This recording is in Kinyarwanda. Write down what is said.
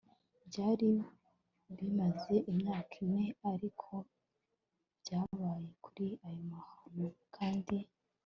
byari bimaze imyaka ine ariko ibyabaye kuri ayo mahano kandi